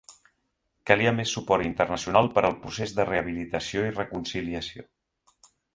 Calia més suport internacional per al procés de rehabilitació i reconciliació.